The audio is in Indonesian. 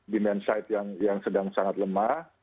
demand side yang sedang sangat lemah